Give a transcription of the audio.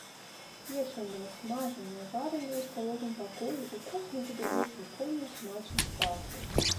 Печанае, смажанае, варанае ў сталовым пакоі, у кухні выдае сімфонію смачных пахаў.